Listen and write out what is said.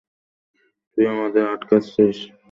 তুই আমাদের আটকাচ্ছিস।